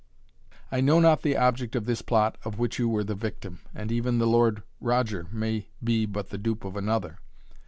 I know not the object of this plot of which you were the victim, and even the Lord Roger may be but the dupe of another.